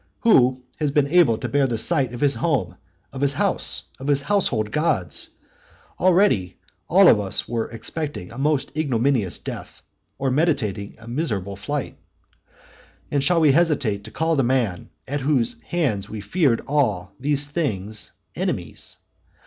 who has been able to bear the sight of his home, of his house, and his household gods? Already all of us were expecting a most ignominious death, or meditating a miserable flight. And shall we hesitate to call the men at whose hands we feared all these things enemies?